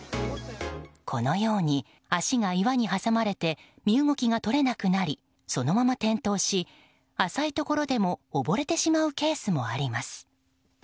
このように足が岩に挟まれて身動きが取れなくなりそのまま転倒し浅いところでも溺れてしまうケースもあります。